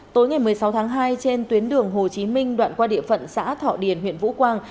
tối ngày một mươi sáu tháng hai trên tuyến đường hồ chí minh đoạn qua địa phận xã thọ điền huyện vũ quang